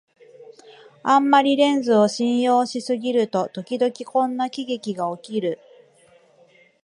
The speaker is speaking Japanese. あんまりレンズを信用しすぎると、ときどきこんな喜劇がおこる